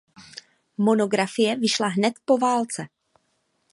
Monografie vyšla hned po válce.